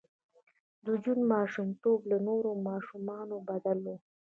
د جون ماشومتوب له نورو ماشومانو بدل و